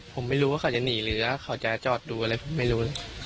ผมไม่รู้ว่าเขาจะหนีหรือเขาจะจอดดูอะไรผมไม่รู้เลย